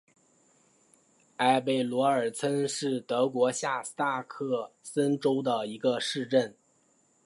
埃贝罗尔岑是德国下萨克森州的一个市镇。